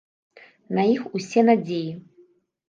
На іх усе надзеі.